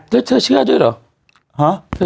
เธอเชื่อด้วยหรอ